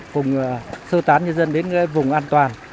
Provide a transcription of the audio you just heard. cùng sơ tán nhân dân đến vùng an toàn